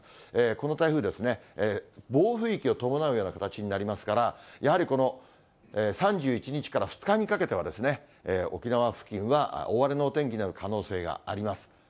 この台風ですね、暴風域を伴うような形になりますから、やはりこの３１日から２日にかけては、沖縄付近は、大荒れのお天気になる可能性があります。